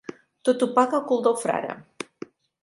Tot ho paga el cul del frare.